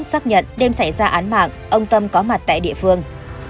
xác nhận đêm xảy ra án mạng ông tâm có mặt tại địa phương